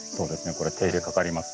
これ手入れかかります。